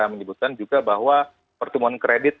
menyebutkan juga bahwa pertumbuhan kredit